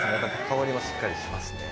香りもしっかりしますね。